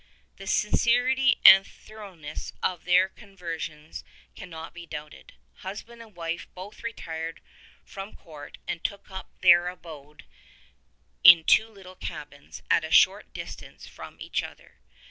The sincerity and thoroughness of their conversions can not be doubted. Husband and wife both retired from Court and took up their abode in two little cabins at a short dis tance from each other.